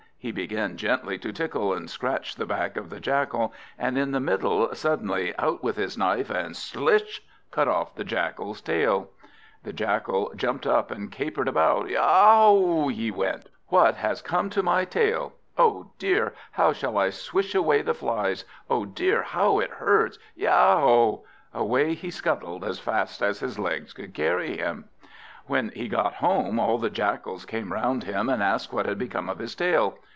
He began gently to tickle and scratch the back of the Jackal, and in the middle, suddenly out with his knife, and slish! cut off the Jackal's tail. The Jackal jumped up and capered about. "Yow ow ow!" he went, "what has come to my tail? Oh dear! how shall I swish away the flies? Oh dear, how it hurts! Yow ow ow!" Away he scuttled, as fast as his legs could carry him. When he got home, all the Jackals came round him, and asked what had become of his tail.